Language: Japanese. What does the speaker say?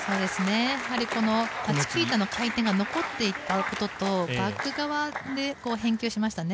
やはりチキータの回転が残っていったこととバック側で返球しましたね。